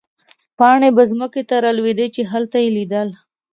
پاڼې به مځکې ته رالوېدې، چې هلته يې لیدل.